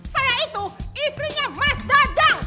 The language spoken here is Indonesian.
saya itu istrinya mas dadang